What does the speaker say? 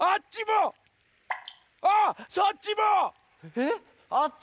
えっあっち？